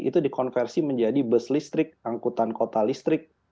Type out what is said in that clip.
itu dikonversi menjadi bus listrik angkutan kota listrik